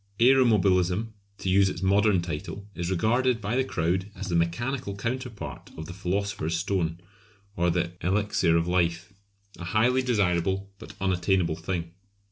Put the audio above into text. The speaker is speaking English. Aeromobilism to use its most modern title is regarded by the crowd as the mechanical counterpart of the Philosopher's Stone or the Elixir of Life; a highly desirable but unattainable thing.